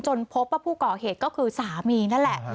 พบว่าผู้ก่อเหตุก็คือสามีนั่นแหละ